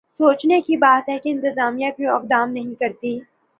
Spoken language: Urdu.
سوچنے کی بات ہے کہ انتظامیہ کیوں اقدام نہیں کرتی؟